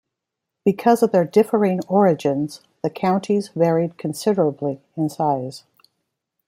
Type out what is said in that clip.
Because of their differing origins the counties varied considerably in size.